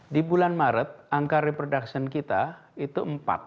di bulan maret angka reproduction kita itu empat